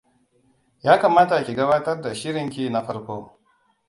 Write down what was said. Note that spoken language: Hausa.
Ya kamata ki gabatar da shirinki na farko.